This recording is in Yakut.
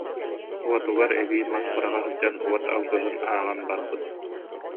Уотугар эбии мас быраҕа сылдьан, уот алгыһын ааҕан барбыт